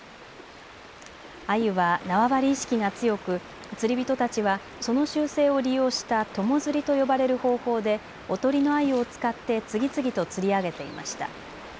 アユは縄張り意識が強く釣り人たちはその習性を利用した友釣りと呼ばれる方法でおとりのアユを使って次々と釣り上げていました。